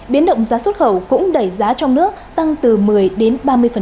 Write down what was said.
biến động giá xuất khẩu cũng đẩy giá trong nước tăng từ một mươi đến ba mươi